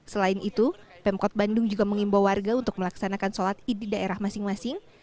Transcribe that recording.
selain itu pemkot bandung juga mengimbau warga untuk melaksanakan sholat id di daerah masing masing